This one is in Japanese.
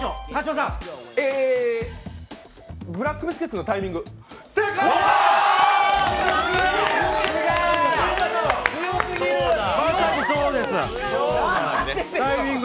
ブラックビスケッツの「Ｔｉｍｉｎｇタイミング」？